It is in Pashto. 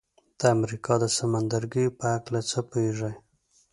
د امریکا د سمندرګیو په هکله څه پوهیږئ؟